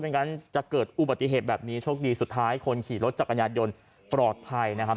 งั้นจะเกิดอุบัติเหตุแบบนี้โชคดีสุดท้ายคนขี่รถจักรยานยนต์ปลอดภัยนะครับ